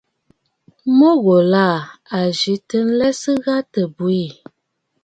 Mu ghùlà à ghɨ̀rə nlɛsə gha tɨ bwiì.